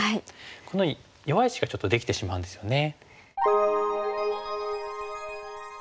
このように弱い石がちょっとできてしまうんですよね。